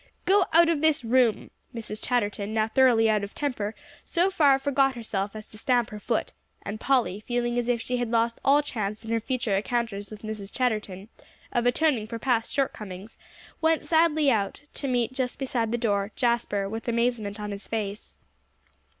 "Go out of this room!" Mrs. Chatterton, now thoroughly out of temper, so far forgot herself as to stamp her foot; and Polly, feeling as if she had lost all chance in her future encounters with Mrs. Chatterton, of atoning for past short comings, went sadly out, to meet, just beside the door, Jasper, with amazement on his face.